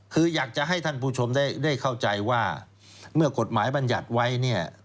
คืออยากจะให้ท่านผู้ชมได้เข้าใจว่าเมื่อกฎหมายบรรยัติไว้เนี่ย